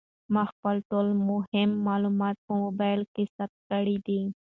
ما خپل ټول مهم معلومات په موبایل کې ثبت کړي دي.